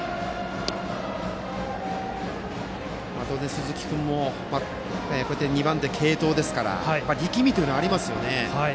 鈴木君も２番手、継投ですから力みというのは当然ありますよね。